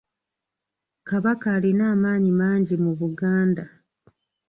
Kabaka alina amaanyi mangi mu Buganda.